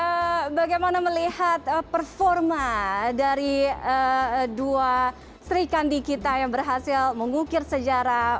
oke bagaimana melihat performa dari dua sri kandi kita yang berhasil mengukir sejarah